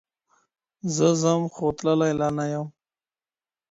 زه ځم خو تللی لا نه يم .